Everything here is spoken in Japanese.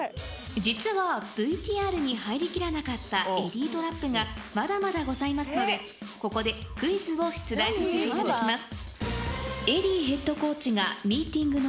実はＶＴＲに入りきらなかったエディートラップがまだまだございますのでここでクイズを出題させていただきます。